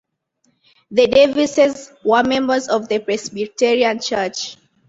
The Davises were members of the Presbyterian church.